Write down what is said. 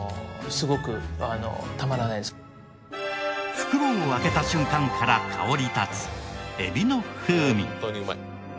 袋を開けた瞬間から香り立つエビの風味。